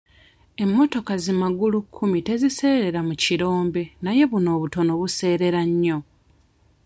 Emmotoka zi magulukkumi teziseerera mu kirombe naye buno obutono buseerera nnyo.